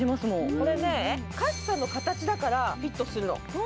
これね、カッサの形だからフィットするの。